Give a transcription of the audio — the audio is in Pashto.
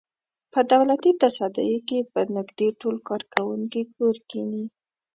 په دولتي تصدیو کې به نږدې ټول کارکوونکي کور کېني.